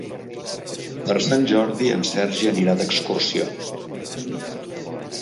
Per Sant Jordi en Sergi anirà d'excursió.